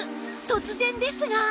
突然ですが